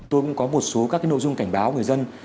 tôi cũng có một số các nội dung cảnh báo người dân